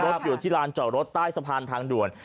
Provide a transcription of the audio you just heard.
อยู่ที่ลานจอดรถใต้สะพานทางด่วน